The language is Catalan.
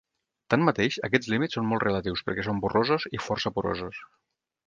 Tanmateix, aquests límits són molt relatius perquè són borrosos i força porosos.